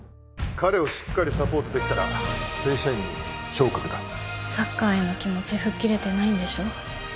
彼をしっかりサポートできたら正社員に昇格だサッカーへの気持ちふっ切れてないんでしょ？